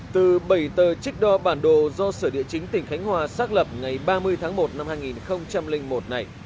từ bảy tờ trích đo bản đồ do sở địa chính tỉnh khánh hòa xác lập ngày ba mươi tháng một năm hai nghìn một này